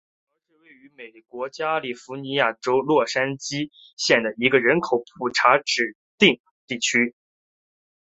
西谷桥是位于美国加利福尼亚州洛杉矶县的一个人口普查指定地区。